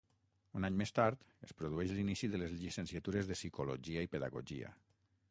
Un any més tard, es produeix l'inici de les llicenciatures de Psicologia i Pedagogia.